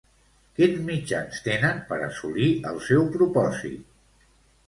Quins mitjans tenen per assolir el seu propòsit?